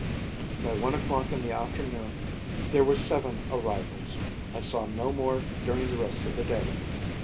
By one o'clock in the afternoon there were seven arrivals; I saw no more during the rest of the day.